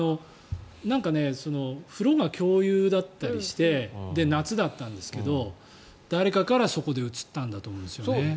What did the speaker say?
風呂が共有だったりして夏だったんですが誰かからそこでうつったんだと思うんですよね。